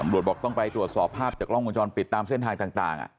อำรวจบอกต้องไปตรวจสอบภาพจากล้องผลจรปิดตามเส้นทางต่างต่างอ่ะ